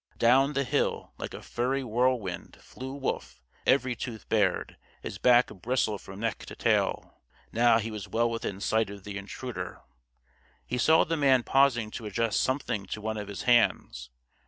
Down the hill, like a furry whirlwind, flew Wolf, every tooth bared, his back a bristle from neck to tail. Now he was well within sight of the intruder. He saw the man pausing to adjust something to one of his hands.